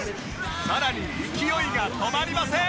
さらに勢いが止まりません！